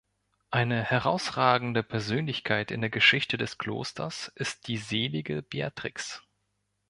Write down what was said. Eine herausragende Persönlichkeit in der Geschichte des Klosters ist die selige Beatrix.